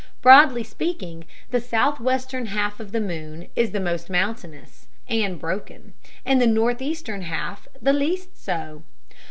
Broadly speaking, the southwestern half of the moon is the most mountainous and broken, and the northeastern half the least so.